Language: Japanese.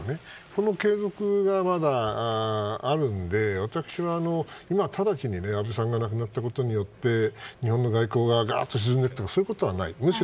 この継続がまだあるので今ただちに安倍さんが亡くなったことによって日本の外交が沈むということはないと思います。